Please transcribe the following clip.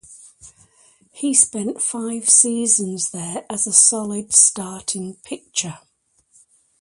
He spent five seasons there as a solid starting pitcher.